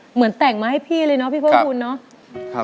เหมือนแต่งมาให้พี่เลยเนาะพี่เพิ่มภูมิเนาะ